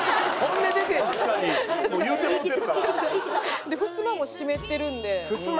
でふすまも閉めてるんで。